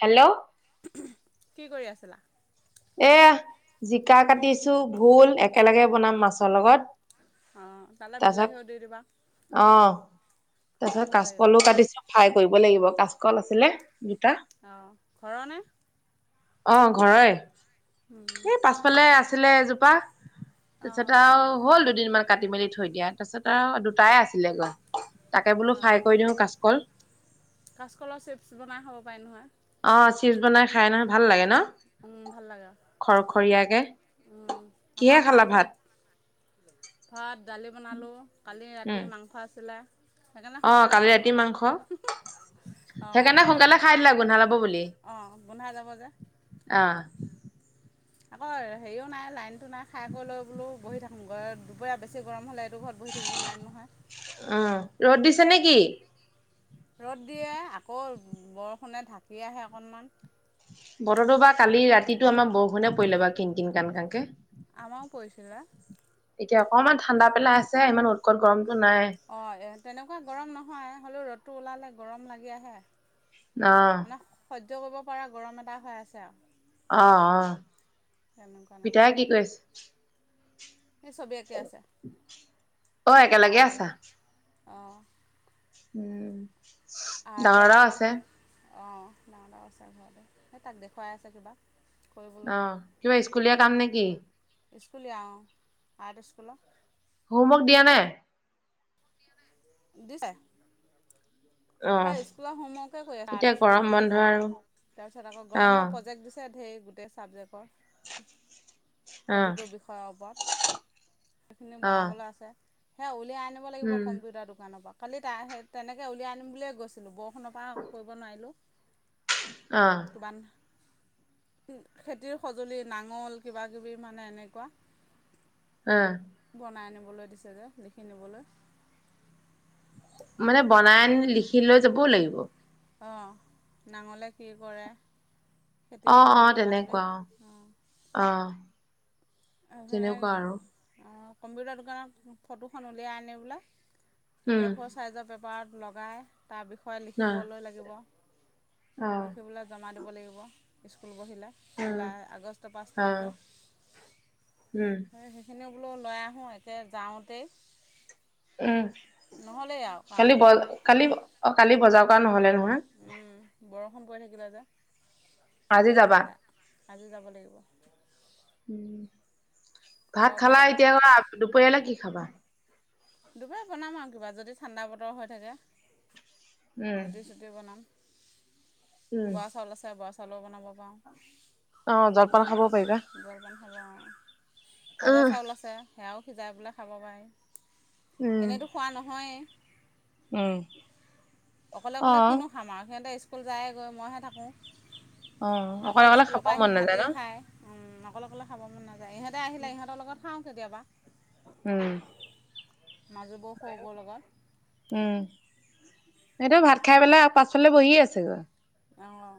Hello কি কৰি আছিলা? এয়া, জিকা কাটিছো, ভোল, একেলগে বনাম মাছৰ লগত অ', তালৈ তাৰছত বিলাহীও দি দিবা অ', খাই তাৰছত ভাল লাগিব। কাচকলো কাটিছো ফায় কৰিব লাগিব, কাচকল আছিলে দুটা অ', ঘৰৰ নে? অ ঘৰৰে [inaudible] এই পাছফালে আছিলে এজোপা, অ', তাৰছত অ', আও হ'ল দুদিনমান কাটি মেলি থৈ দিয়া, তাৰছত আও দুটাই আছিলে গৈ, তাকে বোলো অ', ফ্ৰাই কৰি দিওঁ কাচকল। কাচকলৰ চিপছ বনাই খাব পায় নহয়। অ', চিপছ বনাই খায় নহয়, ভাল লাগে ন? উম, ভাল লাগে। খৰখৰীয়াকে উম, কিহে আমাও হৈ খালা আছে এ ভাত ভাত দালি বনালোঁ, কালি উম ৰাতিৰ মাংস আছিলে। সেইকাৰণে অ', সোনকালে কালি খালোঁ ৰাতিৰ আৰু মাংস। অ', সেইকাৰণে সোনকালে খাই দিলো আও গোন্ধ ওলাব বুলি, অ', গোন্ধাই যাব যে। অ' আকৌ হেৰিও নাই, লাইনটো নাই, খায় কৈ লৈ বোলো বহি থাকোংগৈ, দুপৰীয়া বেছি গৰম হ'লে [unintelligible] ঘৰত বহি থাকিব নোৱাৰিম নহয়। অ', ৰ'দ দিছে নে কি? ৰ'দ দিয়ে, আকৌ বৰষুণে ঢাকি আহে অকণমান। বতৰটো বা কালি ৰাতিটো আমাৰ বৰষুণে পৰিলে বা কিন কিন কান কানকে। আমাও পৰিছিলে। এতিয়া অকমান ঠাণ্ডা পেলাই আছে, ইমান উৎকট গৰমতটো নাই। অঁ', তেনেকুৱা গৰম নহয় হ'লেও ৰ'দটো ওলালে গৰম লাগি আহে। অ', মানে সহ্য কৰিব পাৰা গৰম এটা হৈ আছে আও। অ', অ'। তেনেকুৱা নহয় [inaudible] কি ছবি আঁকি আছে? [inaudible] আৰ আছা [inaudible] অঁ' [inaudible] ডাঙৰ আৰ্টৰ দাদাও কিবা আছে। অঁ', ডাঙৰ দাও আছে ঘৰতে, সেই তাক দেখুৱাই আছে কিবা। কৰিবলৈ অ', কিবা স্কুলীয়া কাম নে কি? স্কুলীয়া অ', আৰ্ট স্কুলৰ। হোমৱৰ্ক দিয়া নাই? দিছে। হয় অ', স্কুলৰ হোমৱৰ্কে কৰি আছে আৰ্ট এতিয়া স্কুলৰ গৰম বন্ধ আৰু তাৰপিছত আকৌ গৰম বন্ধৰ অ', প্ৰজেক্ট দিছে ধেই গোটেই ছাবজেক্টৰ। অ', প্ৰতিটো বিষয়ৰ ওপৰত, সেইখিনি অ'। বনাবলৈ আছে। সেয়া উলিয়াই আনিব লাগিব উম, কম্পিউটাৰ দোকানৰ পৰা। কালি তা সেই তেনেকে উলিয়াই আনিম বুলিয়ে গৈছিলোঁ বৰষুণৰ পৰা কৰিব নোৱাৰিলোঁ। অঁ'। [unintelligible] খেতিৰ সঁজুলি নাঙল কিবা কিবি মানে এনেকুৱা অঁ। বনাই আনিবলৈ দিছে যে লিখি নিবলৈ। মানে বনাই আনি লিখি লৈ যাবও লাগিব? অঁ', নাঙলে কি কৰে, খেতিৰ অ', অ', সঁজুলি তেনেকুৱা অ', পাঁচবিধ অঁ'। অ' সে তেনেকুৱা আৰু অ, কম্পিউটাৰৰ দোকানত ফটোখন উলিয়াই আনি বলে উম এফ'ৰ ছাইজৰ পেপাৰত লগাই তাৰ বিষয়ে আহ লিখিবলৈ লাগিব। আহ, লিখিবলৈ জমা দিব লাগিব স্কুল বহিলে উম জুলাই, আগষ্ট পাঁচ অ তাৰিখে। উম। সেইখিনিও বোলো লৈ আহোঁ একে যাওঁতেই। উম, নহ'লেই আৰু কালি কামটো বজ কালি অ কালি বজাৰ কৰা নহলে নহয়। উম, বৰষুণ পৰি থাকিলে যে। আজি যাবা? আজি যাব লাগিব। উম, ভাত ঘৰ খালা বজাৰ এতিয়া দুপৰীয়ালৈ কি খাবা? দুপৰীয়া বনাম আৰু কিবা যদি ঠাণ্ডা বতৰ হৈ থাকে উম ৰুটি-চুটি বনাম, উম বৰা চাউল আছে বৰা চাউলো বনাব পাৰো। অ জলপান খাব যিকোনো পাৰিবা জলপান হ'ব, ভজা উম চাউল আছে। সেয়াও সিজাই বোলে খাব পাৰি, উম এনেইতো খোৱা নহয়। উম। অ অকলে-অকলে কিনো খাম আৰু সিহঁতে স্কুল যায়ে গৈ মইহে থাকোঁ। অ অকলে আকৌ অকলে স্কুলৰ খাবও পৰা মন আহি নাযায় ন ভাতেই খায়। উম, অকলে-অকলে খাব মন নাযায় ইহঁতে আহিলে ইহঁতৰ লগত খাওঁ কেতিয়াবা। উম। মাজু বউ সৰু বউ লগত। উম, এইটো ভাত খাই পেলাই পাছফালে বহিয়ে আছেগৈ। অঁ।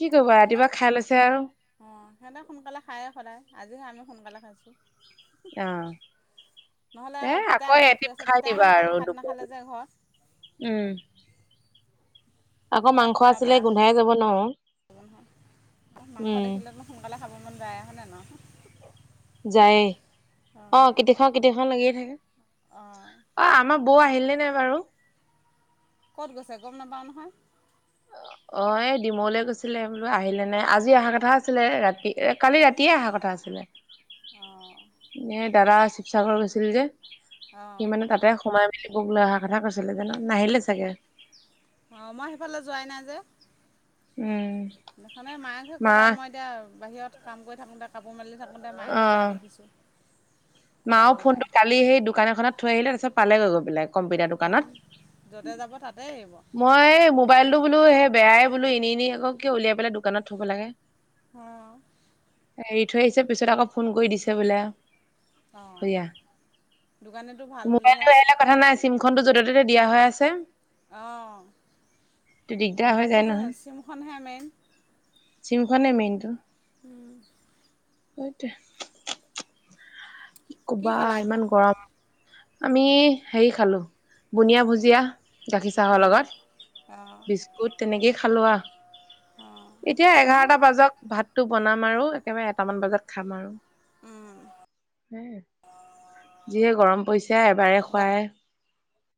কি কৰিবা সিহঁতে ৰাতিপুৱা খাই লৈছে আৰু। অঁ, সিহঁতে সোনকালে খায়েই সদায় আজিহে আমি সোনকালে খাইছোঁ। আহ নহ'লে এ পিতাই আকৌ উৎপাত কৰি এটিপ আছে খাই পিতাই মানে দিবা কালি আৰু ভাত নাখালে দুপৰ যে ঘৰত উম। নহ'লে মাংস আকৌ তাৰ আছিলে বেয়া হৈ গোন্ধাই ন। যাব নহয় মাংস উম দেখিলেতো সোনকালে খাব মন যায় হয়নে ন? যায়ে অ, কেতিয়া খাও কেতিয়া খাও লাগিয়ে থাকে। অঁ অ, আমাৰ বৌ আহিলে নাই বাৰু? ক'ত গৈছে গম নাপাওঁ নহয়। অ অঁ, এই ডিমৌলৈ গৈছিলে বোলো আহিলে নাই আজি অহা কথা আছিলে ৰাতি, কালি ৰাতিয়ে অহা কথা আছিলে। [inaudible] অঁ। এ দাদা শিৱসাগৰত গৈছিল যে, অঁ সি মানে তাতে সোমাই বক লৈ অহা কথা কৈছিলে জানো নাহিলে চাগে। অঁ, মই সেইফালে যোৱাই নাই যে। উম। দেখা নাই মা আছে ক'ৰবাত মই এতিয়া বাহিৰত কাম কৰি থাকোঁ এতিয়া কাপোৰ মেলি থাকোঁ মায়ে অ ঘৰত যোৱা দেখিছোঁ। মাও ক'ৰবালৈ ফোনটো ওলাই কালি সেই দোকান এখনত থৈ আহিলে তাৰপিছত পালেগৈ গৈ পেলাই। কম্পিউটাৰ য'তে যাব তাতে দোকানত, এৰিব মই মবাইলটো বোলো বেয়াই বোলো এনে এনেই আকৌ উলিয়াই পেলাই দোকানত থ'ব লাগে। অ'। এৰি থৈয় আহিছে পিছত আকৌ ফোন কৰি দিছে বোলো আৰু। অ', দোকানীটো ভাল বুলিহে। মোবাইলটো এৰিলে কথা নাই চিমখনটো য'তে ত'তে দিয়া হৈ আছে। অ', টো দিগদাৰ হৈ মোবাইলটো যায় যে নহয় চিমখনহে মেইন। চিমখনে মেইনটো সেইটোৱে। কি ক'বা খালা এতিয়া ইমান গৰম। আমি হেৰি খালো বুনিয়া ভুজিয়া। গাখীৰ চাহৰ লগত অঁ বিস্কুট তেনেকেই খালোঁ আৰু। অঁ এতিয়া মই এঘাৰটা বাজক ভাতটো বনাম আৰু একেবাৰে এটামান বজাত খাম আৰু। উম। হম, যিহে গৰম পৰিছে এবাৰে খুৱাহে।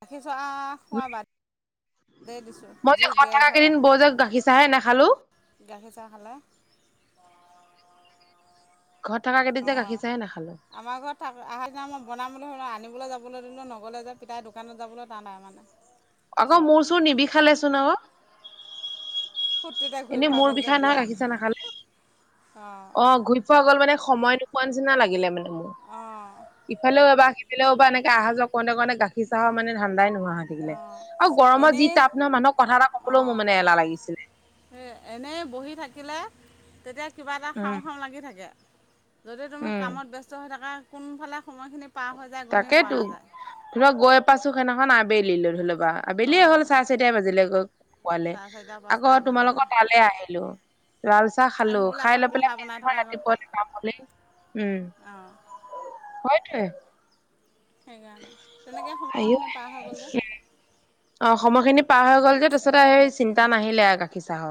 গাখীৰ চাহ খোৱা বাদেই দিছো। মই যে ঘৰত থকা কেইদিন বৌ যে গাখীৰ চাহে নাখালো। গাখীৰ চাহ খালা? ঘৰত থকা কেইদিন যে অঁ গাখীৰ চাহে নাখালো। আমাৰ ঘৰত থাকা আহাৰ দিনা মই বনাম বুলি ভাবিলোঁ আনিবলৈ যাবলৈ দিলোঁ নগ'লে যে পিতাই দোকানত যাবলৈ তান আৰু মানে। আকৌ ওচৰত মূৰ চূৰ নিবিষালেচোন অ'? ফূৰ্তিতে ঘূৰি এনেই ফুৰা মোৰ গ'ল যে বিষায় নহয় বিয়া গাখীৰ চাহ নাখালে। অঁ অ' ঘূৰি ফুৰা গ'ল মানে সময় নোপোৱা নিচিনা লাগিলে মানে মোৰ। অ'। ইফালেও এবাৰ সিফালও এবাৰ এনেকে আহা যোৱা কৰোতে কৰোতে গাখীৰ চাহৰ মানে ধাণ্ডায়ে নোহোৱা হৈ থাকিলে অঁ আৰু গৰমত যি এনেই তাপ নহয় মানুহক কথা এটা ক'বলৈও অঁ মোৰ মানে এলাহ লাগিছিলে। সেই এনে বহি থাকিলে তেতিয়া কিবা এটা উম খাওঁ খাওঁ লাগি থাকে। যদি তুমি উম কামত ব্যস্ত হৈ থাকা কোনফালে সময়খিনি পাৰ হৈ যায় গমেই পোৱা তাকেতো নাযায়। ধৰি ল গৈ পাইছো সেইদিনাখন আবেলি লৈ ধৰি ল'বা। আবেলিয়ে হ'ল অঁ চাৰে চাৰিটায়ে বাজিলেগৈ গৈ পোৱালে, চাৰে চাৰিটা পাঁচটা আকৌ বাজিলে তোমালোকৰ তালে আহিলো। লাল চাহ খালো আহি আকৌ খাই লৈ পিঠা পেলাই বনাই পিছদিনা থকা গ'ল ৰাতিপুৱালৈ যাম বুলি উম। অঁ হয়টোয়ে। সেইকাৰণে, তেনেকৈ আইঅ সময়খিনি পাৰ হৈ গ'ল যে। অ', সময়খিনি পাৰ হৈ গ'ল যে তাৰ তাৰপিছতে সেই চিন্তা নাহিলে আৰু গাখীৰ চাহৰ।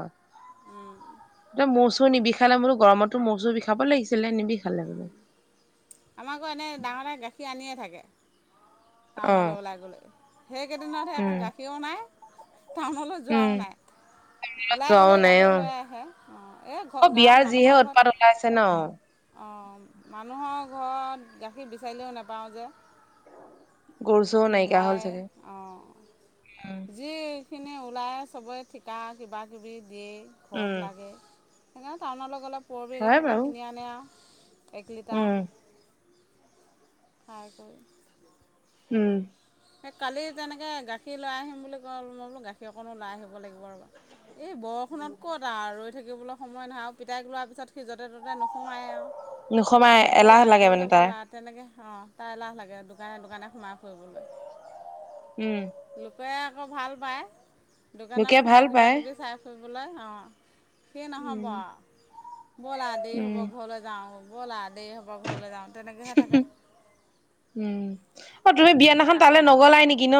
তে মূৰ চূৰ চূৰ নিবিষালে বোলো গৰমতো মূৰ চূৰ বিষাব লাগিছিলে নিবিষালে বোলো। আমাৰ আকৌ এনে ডাঙৰ দায়ে গাখীৰ আনিয়ে থাকে। অ টাউনলৈ ওলাই গ'লে। সেইকেইদিনতহে আকৌ উম গাখীৰও নাই টাউনলৈ যোৱাও উম নাই। ওলাই যোৱাও গ'লে নাই অ গাখীৰ লৈ আহে অ' এই অ গাঁৱত বিয়াৰ যিহে মানুহৰ ঘৰত উৎপাত ওলাইছে ন অ', মানুহৰ ঘৰত গাখীৰ বিচাৰিলেও নেপাওঁ যে। গৰু চৰু নাইকিয়া হ'ল নোলায়ে চাগে অ'। উম যিখিনি ওলায় চবৰে ঠিকা কিবা কিবি দি উম ঘৰত লাগে। সেইকাৰণে টাউনলৈ গ'লে পুৰবী হয় গাখীৰকে বাৰু কিনি আনে আৰু। এক উম লিটাৰ খাই কৰি। উম। সেই কালি তেনেকে গাখীৰ লৈ আহিম বুলি কয় মই বোলো গাখীৰ অকণো নাই লৈ আহিব লাগিব ৰ'বা এই বৰষুণত ক'ত আৰু ৰৈ থাকিবলৈ সময় নহয় আৰু পিতাইগুৰা পিছত সি য'তে ত'তে নোসোমায় আৰু, নোসোমাই এলাহ ব'লা আৰু লাগে মানে ঘৰলৈ তাৰ ব'লা আৰু। তেনেকৈ খাও তাই এলাহ লাগে দোকানে দোকানে সোমাই ফুৰিবলৈ। উম। লোকে আকৌ ভাল পায় দোকানত লোকে সোমাই ভাল পায় কিবাকিবি চাই ফুবলৈ অ'। সি নহ'ব, উম বলা দেৰি হ'ব উম ঘৰলৈ যাওঁ, বলা দেৰি হ'ব ঘৰলৈ যাওঁ। তেনেকৈহে থাকে উম, অ', তুমি তাই বিয়াদিনা তালে আকৌ নগলাই নেকি ন।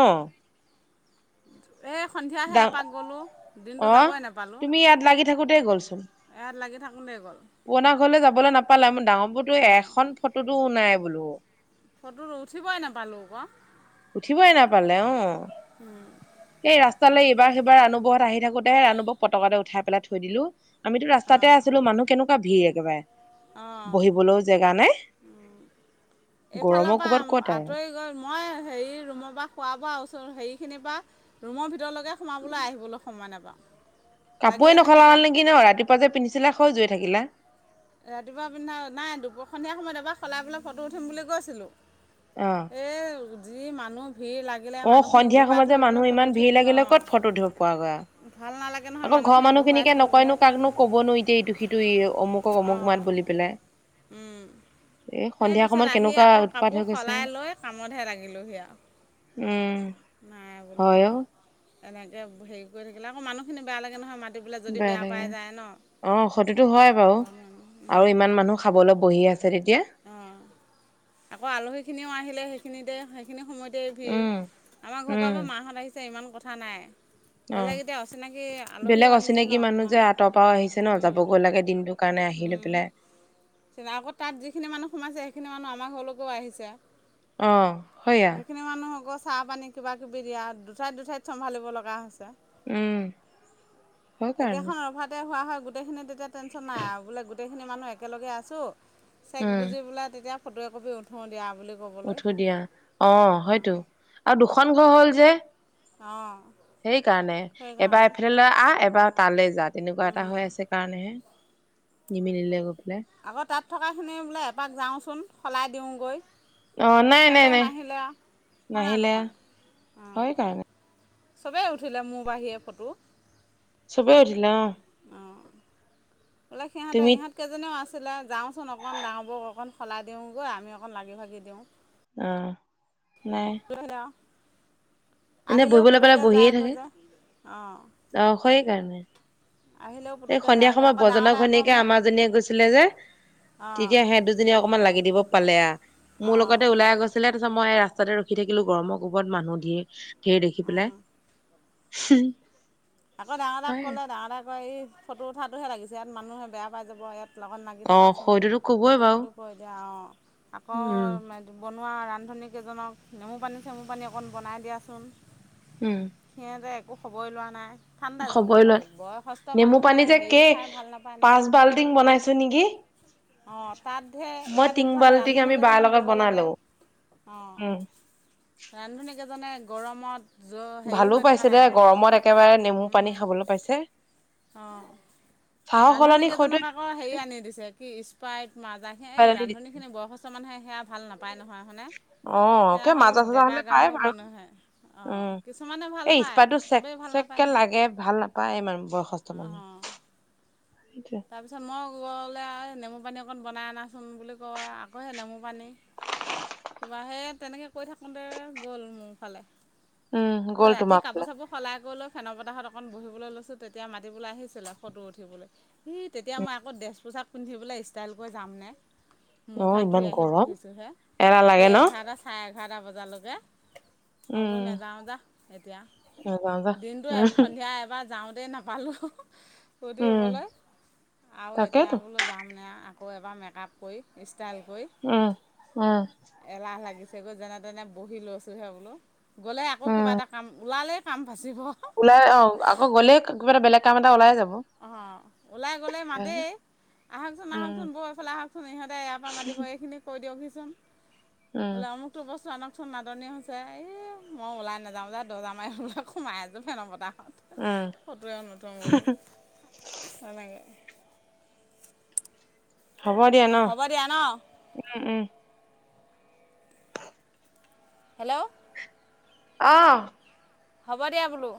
এই সন্ধিয়াহে ডা, এপাক গ'লোঁ দিনটো স', যাবই নাপালোঁ তুমি ইয়াত লাগি থাকোতেই গ'ল সোণ। ইয়াত লাগি থাকোঁতেই গ'ল পুৰনা ঘৰলে যাবলৈ নাপালে মোৰ ডাঙৰপুৰতো অঁ এখন ফটোতো নাই বোলো। ফটো উঠিবই নাপালোঁ আকৌ উঠিবই নাপালে অ'। উম। এই ৰাস্তালৈ এইবাৰ সেইাৰ ৰাণু ঘৰত আহি থাকোতে হে ৰাণুবক পতকতে উঠাই পেলাই থৈ দিলো। আমিতো ৰাস্তাতে অঁ আছিলো মানুহ কেনেকুৱা ভিৰ একেবাৰে, বহিবলৈও জেগা নাই। উম, গৰমৰ এইফালৰ কোবত ক'ত আৰু আঁতৰি গ'ল। মই হেৰি ৰুমৰ পৰা খোৱা বোৱা ওচৰত হেৰিখিনিৰ পা ৰুমৰ ভিতৰলৈকে সোমাবলৈ আহিবলৈ সময় নাপাওঁ। লাগিয়ে কাপোৱৰে থাকে নখলা তাত নেকি ন ৰাপুৱ যে পিন্ধিছিলে খজুৰে থাকিলে। ৰাতিপুৱা পিন্ধা নাই দুপৰীয়া সময়ত এবাৰ সলাই পেলাই ফটো উঠিম বুলি কৈছিলোঁ।। অ'। এই যি মানুহ ভিৰ লাগি থাকিলে অ মানুহখিনি সন্ধিয়া বহুৱাই সময়ত থৈ যে বুলি মানুহ ফটো ইমান ভিৰ উঠিবলৈ লাগিলে ক'ত ফটো উঠিব পোৱাগৈ অ', ভাল নালাগে। নহয় আকৌ ঘৰৰ মানুহখিনিক বহুৱাই মানুহখিনিকে থৈ নকয়নো পেলাই কাকনো ক'বনো এতিয়া এইটো সিটো অমুকক অমুক অঁ মাত বুলি পেলাই। উম। এ সেই সন্ধিয়া পিছত সময়ত আহি কেনেকুৱা আকৌ উৎপাত কাপোৰ হৈ গৈছে সলাই লৈ কামতহে লাগিলোঁহি আৰু। উম। নাই বোলো, হয় অ এনেকে হেৰি কৰি থাকিলে আকৌ মানুহখিনি বেয়া লাগে নহয় মা বেয়া লাগে, অ', খৌতুটো হয় বাৰু। ঘৰৰ মানুহ আৰু ইমান মানুহ খাবলৈ বহি আছে তেতিয়া। অ', আকৌ আলহী খিনিও আহিলে সেই সেইখিনিতে সেইখিনি সময়তেই ভিৰ উম আমাৰ ঘৰৰ পৰা উম একো মাহঁত আহিছে ইমান কথা নাই। অ বেলেগ এতিয়া অচিনাকি আলহীও আহিছে ন কিমান। অঁটৰ পৰাও আহিছে ন উম যাবগৈ লাগে দিনটোৰ কাৰণে আহি লৈ উম পেলাই। আকৌ তাত যিনি মানুহ সোমাইছে সেইখিনি মানুহ আমাৰ ঘৰলৈকও আহিছে। অ', হয়য়া। খিনি মানুহ আকৌ চাহ পানী কিবা কিবি দিয়া দুঠাইত দুঠাইত চম্ভালিব লগা হৈছে। উম হয় কাৰণে একেখন অভাত। তে হোৱা হয় গোটেইখিনি তেতিয়া টেনচন নাই আৰু বোলে গোটেইখিনি মানুহ একেলগে আছো। চেক উম বুজি বোলে তেতিয়া ফটো একপি উঠো দিয়া বুলি ক'বলৈ উঠো দিয়া অ', হয়তো আৰু দুখন ঘৰ হ'ল যে। অ'। সেই কাৰণে এবাৰ এফালে আহ এবাৰ তালে যা তেনেকুৱা এটা হৈ আছে। কাৰণেহে, নিমিলিলে গৈ পেলাই। আকৌ তাত থকাখিনি বোলে এপাক যাওঁচোন সলাই দিওঁগৈ। অ নাই নাই সিহঁতেও নাই নাহিলে হয় নে নাহিলে নহয় হয় অ'। কাৰণে চবেই উঠিলে মোৰ বাহিৰে ফটো। চবে উঠিলে অ'। অঁ, বোলে সিহঁতে, তুমি ইহঁত কেইজনীও আছিলে, যাওঁচোন অকণ ডাঙৰবোৰক অকণ সলাই দিওঁগৈ, আমি অকণ লাগি ভাগি দিওঁ। অ', নাই। আৰু এনে আহিলেও বহিবলৈ পেলাই পুতুককৈ বহিয়ে থাকে যায়গৈ যে, অঁ। অ', সেইকাৰণে। আহিলেও এই পুটুককৈ সন্ধিয়া যায়গৈ সময়ত আকৌ ডাঙৰ বৰজনক দাই আকৌ ঘনীয়েকে মোক আমাজনীয়ে গৈছিলে যে। অঁ তেতিয়া সিহঁত দুজনী অকমান লাগি দিব পালে আ, মোৰ অঁ লগতে ওলাই গৈছে আছিলে, তাৰ পিছত মই ৰাস্তাতে ৰখি থাকিলো, গৰমৰ কোবত মানুহ ধৰ, ঢেৰ দেখি পেলাই। হম। আকৌ ডাঙৰ দাক ক'লে, ডাঙৰ দায়ে আকৌ এই ফটো উঠাটোহে লাগিছে, ইয়াত মানুহে বেয়া পাই যাব ইয়াত। লগত মাগি অ থকাচোন, সইটোতো কবই এইটো বাৰু সিটো কৰি দিয়ে অ', আকৌ উম বনোৱা, ৰান্ধনীকেইজনক নেমু পানী চেমু পানী অকণ বনাই দিয়াচোন। উম। সিহঁতে একো খবৰে লোৱা নাই। ঠাণ্ডা, খবৰে লয় বয়সস্থ নেমু মানুহে পানী যে হেৰি কেই খাই ভাল নাপায় পাঁচ নহয়। বাল্টিং বনাইছো নেকি অঁ, তাতহে মই ইয়াত তিন এইফালে বাল্টিং ৰান্ধন আমি বাৰ কেইজনক লগত দিব বনালো লাগে। অ', উম ৰান্ধনীকেইজনে গৰমত য, হেৰি ভালো হৈ থকা পাইছে নাই দে জানো, গৰমত টাপত। একেবাৰে নেমু পানী খাবলৈ পাইছে। অঁ। চাহৰ ৰান্ধনী সলনি সৈতে কেইজনক আকৌ হেৰি আনি দিছে, কি স্পাইট, মাজা সিন, এই ৰান্ধনী দিছে খিনি বয়সস্থ মানুহে সেয়া ভাল নাপায় নহয়, হয়নে? অ কে সেয়া হ'ল মাজা চাজা হলে ডেকা, পায় গাভৰু বাৰু মানুহে অ', উম কিছুমানে ভাল পায়, চবেই ভাল নাপায় নহয়। এ, ভাল নাপায় ইমান বয়সস্থ অঁ মানুহে। তাৰপিছত মই গ'লে নেমু পানী অকণ বনাই অনাচোঁন বুলি কয়, আকৌ সেই নেমু পানী কিবা সেই তেনেকৈ কৈ থাকোঁতে গ'ল মোৰফালে, উম গ'ল ৰাতি তোমাৰ ফালে কাপোৰ-চাপোৰ সলাই কৰি লৈ ফেনৰ বতাহত অকণ বহিবলৈ লৈছোঁ, তেতিয়া মাতিবলৈ আহিছিলে ফটো উঠিবলৈ। সি, তেতিয়া মই আকৌ ড্ৰেছ-পোছাক পিন্ধি পেলাই, ষ্টাইল কৰি যামনে। অ মুখ-হাত ধুই ইমান আহি গৰম বহিছোঁহে, এলাহ লাগে সেই ন এঘাৰটা চাৰে এঘাৰটা বজালৈকে। উম হ'লেওঁ নাযাওঁ যা এতিয়া, নাযাও যা দিনটো উম সন্ধিয়া এবাৰ যাওঁতেই নাপ পালো, ফূৰ্তি উম কৰিবলৈ। আৰু এতিয়া তাকেইতো বোলো যামনে, আকৌ এবাৰ মেকআপ কৰি, ষ্টাইল কৰি। উম, উম। এলাহ লাগিছেগৈ যেনে তেনে বহি লৈছোঁহে বোলো, গ'লে আকৌ উম কিবা এটা কাম, ওলালে কাম বাচিব। ওলাই আহ, আকৌ গ'লে কিবা এটা, বেলেগ কাম এটা ওলাই যাব। অঁ, ওলাই গ'লে মাতেই। আহঁকচোন, উম আহঁকচোন বৌ এইফালে আহঁকচোন ইহঁতে ইয়াৰ পৰা মাতিব, এইখিনি কৈ দিয়কহিচোন, উম বোলে আমোক টো বস্তু আনকচোন নাটনি হৈছে, এই মই ওলাই নাযাওঁ যা দৰ্জা মাৰি সোমাই আছোঁ, ফেন বতাহত। উম ফটোৱে নুঠাে বোলো, তেনেকে। হ'ব দিয়া ন', হ'ব দিয়া ন উম, উম। [inaudible] হেল্ল'। অঁ। হ'ব দিয়া বোলো।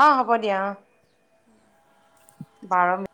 অ, হ'ব দিয়া অঁ। [inaudible] বাৰ মিন